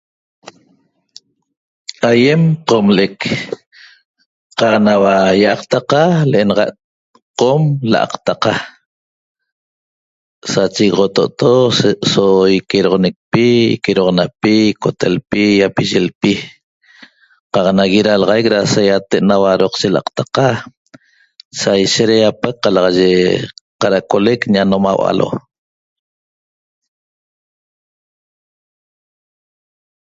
Aýem qomle'ec qaq naua ýi'aqtaqa l'enaxa't qom l'aqtaqa sachegoxoto'oto se'eso iquedoxonecpi iqueroxonapi icotelpi ýiapiyilpi qaq nagui ralaxaic ra saýate'n naua doqshe l'aqtaqa sa ishet ra ýapac qalaxayi cad'acolec ñanomau'alo